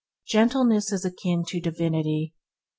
Gentleness is akin to divinity.